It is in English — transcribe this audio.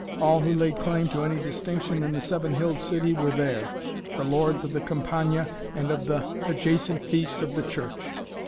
All who laid claim to any distinction in the seven hilled city were there, the lords of the Campagna and of the adjacent fiefs of the Church.